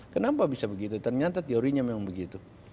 kenapa bisa begitu ternyata teorinya memang begitu